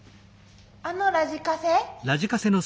あのラジカセ？